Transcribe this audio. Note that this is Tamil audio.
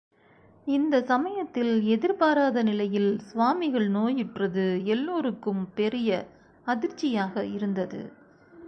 இந்தச் சமயத்தில் எதிர்பாராத நிலையில் சுவாமிகள் நோயுற்றது எல்லோருக்கும் பெரிய அதிர்ச்சியாக இருந்தது.